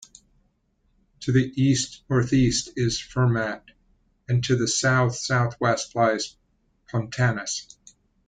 To the east-northeast is Fermat, and to the south-southwest lies Pontanus.